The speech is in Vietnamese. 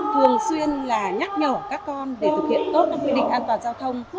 thường xuyên là nhắc nhở các con để thực hiện tốt các quy định an toàn giao thông